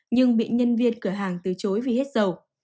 nhưng bị nhân viên cửa hàng từ chối vì hết dầu